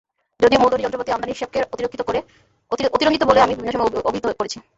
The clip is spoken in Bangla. যদিও মূলধনি যন্ত্রপাতি আমদানির হিসাবকে অতিরঞ্জিত বলে আমি বিভিন্ন সময়ে অভিহিত করেছি।